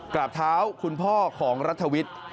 กราบเท้าคุณพ่อของรัฐวิทย์